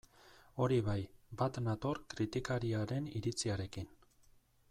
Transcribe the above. Hori bai, bat nator kritikariaren iritziarekin.